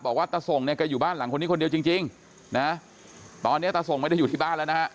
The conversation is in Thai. ตาส่งเนี่ยแกอยู่บ้านหลังคนนี้คนเดียวจริงนะตอนนี้ตาส่งไม่ได้อยู่ที่บ้านแล้วนะฮะ